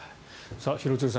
廣津留さん